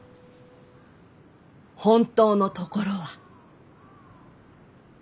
本当のところは？